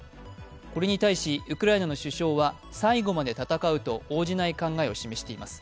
これに対しウクライナの首相は最後まで戦うと応じない考えを示しています